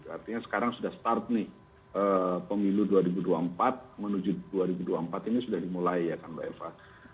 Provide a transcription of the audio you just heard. artinya sekarang sudah start nih pemilu dua ribu dua puluh empat menuju dua ribu dua puluh empat ini sudah dimulai ya kan mbak eva